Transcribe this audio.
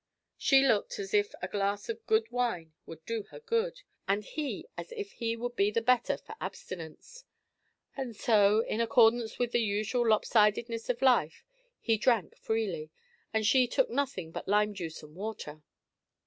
She looked as if a glass of good wine would do her good, and he as if he would be the better for abstinence; and so, in accordance with the usual lopsidedness of life, he drank freely, and she took nothing but lime juice and water.